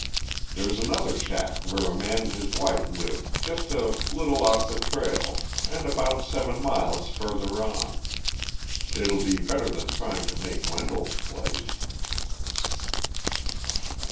There's another shack where a man and his wife live just a little off the trail and about seven miles further on. It'll be better than trying to make Wendell's place."